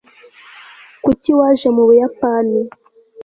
kuki waje mu buyapani